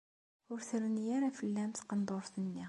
Ur terni ara fell-am tqendurt-a.